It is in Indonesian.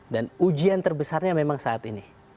dan ujian terbesarnya memang saat ini